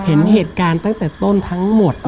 เห็นเหตุการณ์ตั้งแต่ต้นทั้งหมด